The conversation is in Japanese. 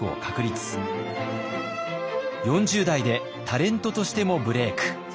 ４０代でタレントとしてもブレーク。